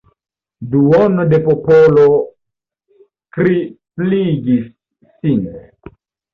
Duono de popolo kripligis sin.